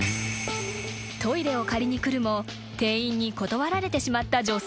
［トイレを借りに来るも店員に断られてしまった女性］